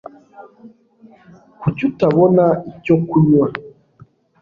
Kuki utabona icyo kunywa?